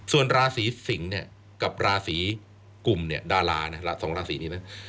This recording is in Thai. ส่วนราศีสิงค์กับราศีกุมดาราสองราศีนี่นะ